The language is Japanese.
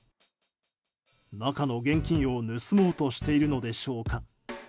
中の現金を盗もうとしているのでしょうか。